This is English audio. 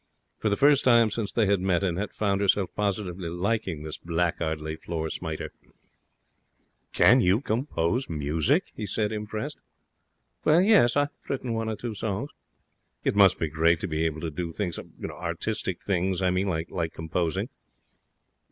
For the first time since they had met Annette found herself positively liking this blackguardly floor smiter. 'Can you compose music?' he said, impressed. 'I have written one or two songs.' 'It must be great to be able to do things artistic things, I mean, like composing.'